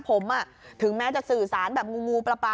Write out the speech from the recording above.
ผมถึงแม้จะสื่อสารแบบงูปลา